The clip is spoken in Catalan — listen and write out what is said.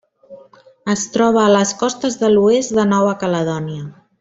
Es troba a les costes de l'oest de Nova Caledònia.